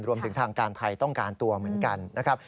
รวมถึงทางการไทยต้องการตัวเหมือนกันนะครับ